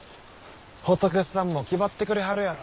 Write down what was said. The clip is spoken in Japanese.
仏さんもきばってくれはるやろ。